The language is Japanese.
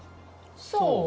そう？